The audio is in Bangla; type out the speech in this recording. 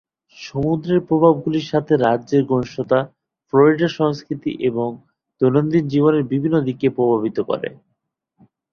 সমুদ্রের প্রভাবগুলির সাথে রাজ্যের ঘনিষ্ঠতা ফ্লোরিডা সংস্কৃতি এবং দৈনন্দিন জীবনের বিভিন্ন দিককে প্রভাবিত করে।